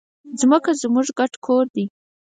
ځمکه زموږ ګډ کور دی.